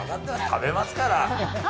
食べますから。